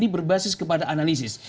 berbasis kepada analisis